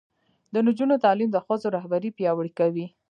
د نجونو تعلیم د ښځو رهبري پیاوړې کوي.